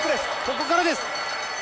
ここからです！